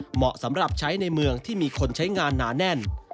เหมาะสำหรับใช้ในเมืองที่มีคนใช้งานหนาแน่น